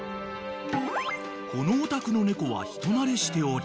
［このお宅の猫は人なれしており］